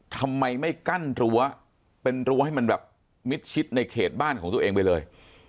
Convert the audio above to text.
ทำไมไม่กั้นรั้วเป็นรั้วให้มันแบบมิดชิดในเขตบ้านของตัวเองไปเลย